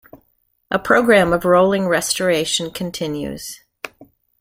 A programme of rolling restoration continues.